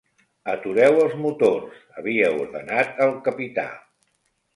Atureu els motors, havia ordenat el capità.